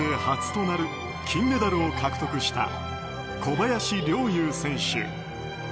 初となる金メダルを獲得した小林陵侑選手。